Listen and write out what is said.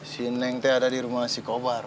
si neng tea ada di rumah si kobar